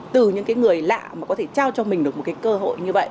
từ những người lạ mà có thể trao cho mình được một cái cơ hội như vậy